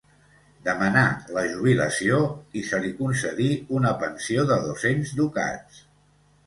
Demanà la jubilació, i se li concedí una pensió de dos-cents ducats.